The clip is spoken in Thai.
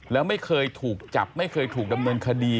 แล้วไม่เคยถูกจับไม่เคยถูกดำเนินคดี